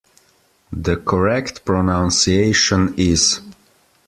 The correct pronunciation is.